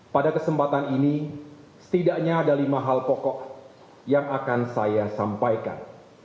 pada kesempatan ini setidaknya ada lima hal pokok yang akan saya sampaikan